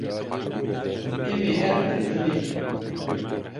Em ê herin firnê.